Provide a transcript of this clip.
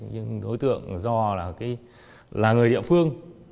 nhưng đối tượng do là người địa phương